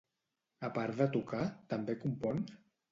A part de tocar, també compon?